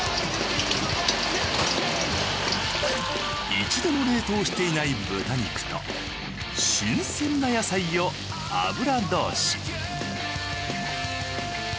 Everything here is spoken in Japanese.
一度も冷凍していない豚肉と新鮮な野菜を油通し。